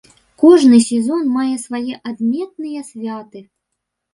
Кожны сезон мае свае адметныя святы.